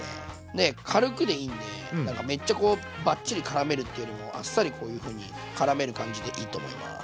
で軽くでいいんでなんかめっちゃこうバッチリからめるっていうよりもあっさりこういうふうにからめる感じでいいと思います。